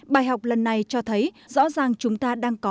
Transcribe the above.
bài học lần này cho thấy rõ ràng chúng ta đang có